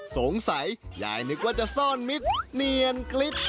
สงสัยยายนึกว่าจะซ่อนมิตรเนียนกริ๊บ